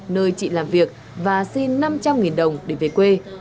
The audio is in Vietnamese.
nơi chị làm việc và xin năm trăm linh đồng để về quê